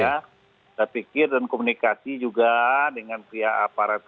saya pikir dan komunikasi juga dengan pihak aparat